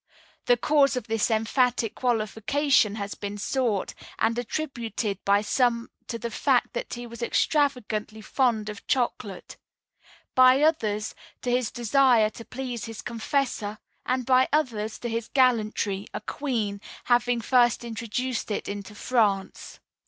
The cause of this emphatic qualification has been sought, and attributed by some to the fact that he was extravagantly fond of chocolate; by others to his desire to please his confessor; and by others to his gallantry, a queen having first introduced it into France.